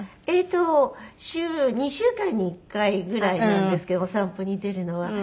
えっと週２週間に１回ぐらいなんですけどもお散歩に出るのは。